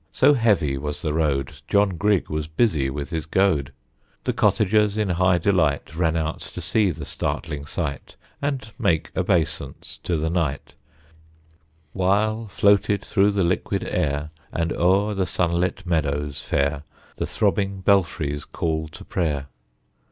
so heavy was the road, John Grigg was busy with his goad. The cottagers in high delight Ran out to see the startling sight And make obeisance to the knight, While floated through the liquid air, And o'er the sunlit meadows fair, The throbbing belfry's call to prayer.